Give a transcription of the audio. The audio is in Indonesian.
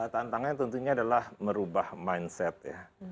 tantangannya tentunya adalah merubah mindset ya